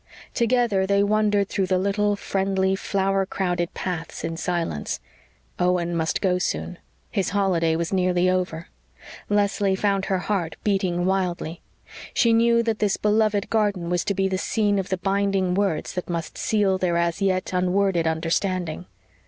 Together they wandered through the little, friendly, flower crowded paths in silence. Owen must go soon. His holiday was nearly over. Leslie found her heart beating wildly. She knew that this beloved garden was to be the scene of the binding words that must seal their as yet unworded understanding.